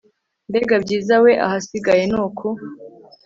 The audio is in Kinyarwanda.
mbega byiza we ahasigaye nuku